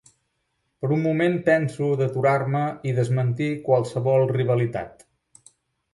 Per un moment penso d'aturar-me i desmentir qualsevol rivalitat.